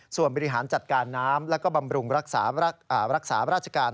ส่วนบริหารจัดการน้ำแล้วก็บำรุงรักษาราชการ